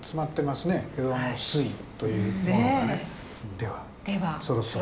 ではそろそろ。